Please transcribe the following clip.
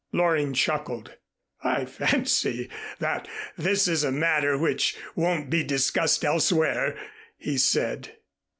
Loring chuckled. "I fancy that this is a matter which won't be discussed elsewhere," he said.